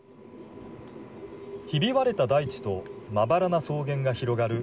ひび割れた大地とまばらな草原が広がる